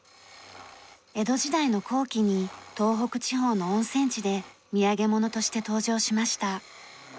江戸時代の後期に東北地方の温泉地で土産ものとして登場しました。